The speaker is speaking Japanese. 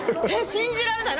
信じられない。